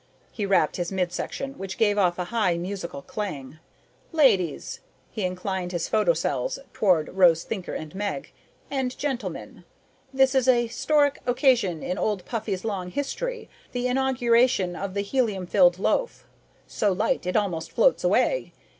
He rapped his midsection, which gave off a high musical clang. "Ladies " he inclined his photocells toward Rose Thinker and Meg "and gentlemen. This is a historic occasion in Old Puffy's long history, the inauguration of the helium filled loaf ('So Light It Almost Floats Away!')